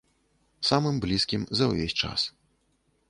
Самым блізкім за ўвесь час.